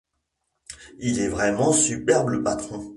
Il est vraiment superbe le Patron !